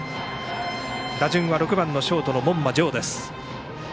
打順は６番のショート門間丈です。